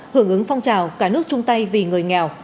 hưởng ứng phong trào cả nước chung tay vì người nghèo